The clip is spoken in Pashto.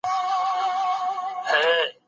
په مځکه کي باید د فساد مخه ونیول سي.